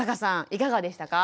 いかがでしたか？